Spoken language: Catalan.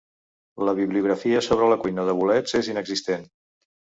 La bibliografia sobre la cuina de bolets és inexistent